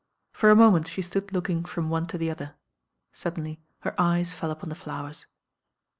For a moment she stood looking from <me to the other. Suddenly her eyes fell upon the flowers.